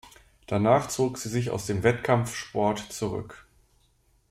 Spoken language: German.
Danach zog sie sich aus dem Wettkampfsport zurück.